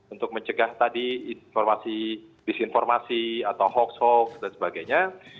untuk mencegah tadi informasi disinformasi atau hoax hoax dan sebagainya